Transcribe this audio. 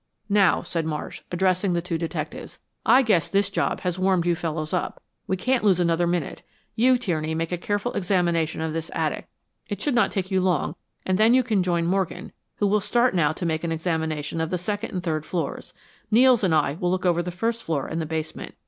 "Now," said Marsh, addressing the two detectives, "I guess this job has warmed you fellows up. We can't lose another minute. You, Tierney, make a careful examination of this attic. It should not take you long, and you can then join Morgan, who will start now to make an examination of the second and third floors. Nels and I will look over the first floor and the basement.